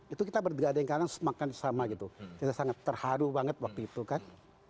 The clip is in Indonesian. itu kita berdegadang sama gitu kita sangat terharu banget waktu itu kan